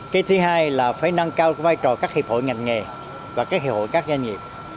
cái thứ hai là phải nâng cao vai trò các hiệp hội ngành nghề và các hiệp hội các doanh nghiệp